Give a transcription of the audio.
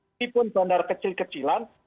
meskipun bandar kecil kecilan